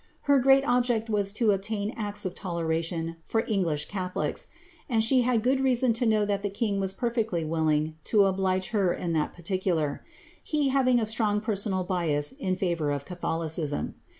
Her great object was to obtain acts of toleration for English catholics ; and she had good reason to know that the king was perfectly willing to oblige her in that particular; he having a strong personal bias in favour of Catholicism.